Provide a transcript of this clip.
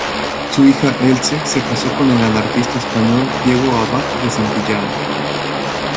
Su hija Else se casó con el anarquista español Diego Abad de Santillán.